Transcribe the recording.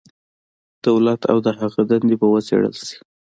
دولت او د هغه دندې به وڅېړل شي.